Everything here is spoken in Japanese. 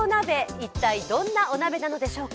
一体どんなお鍋なんでしょうか。